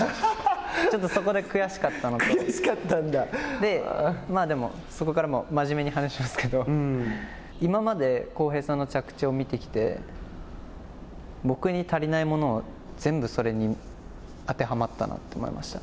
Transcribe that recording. ちょっとそれが悔しかったのとそこからも真面目に話しますけれども今まで、航平さんの着地を見てきて僕に足りないものを全部それに当てはまったなって思いました。